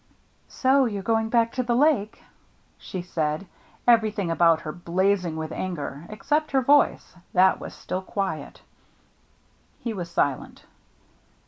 " So you are going back to the Lake ?'* she said, everything about her blazing with anger except her voice — that was still quiet. He was silent.